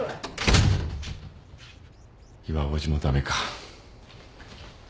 いわおじもダメか。